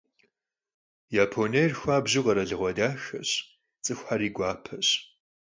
Yaponiêr xuabju kheralığue daxeş, ts'ıxuxeri guapeş.